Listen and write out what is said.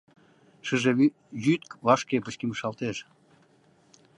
Шыже йӱд вашке пычкемышалтеш.